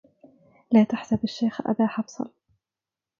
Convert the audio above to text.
لا تحسب الشيخ أبا حفصل